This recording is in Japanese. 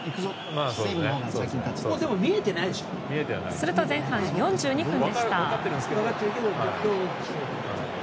すると前半４２分でした。